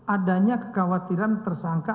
adanya kekhawatiran tersangka